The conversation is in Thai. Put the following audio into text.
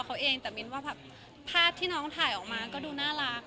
เขาเองแต่มิ้นว่าแบบภาพที่น้องถ่ายออกมาก็ดูน่ารัก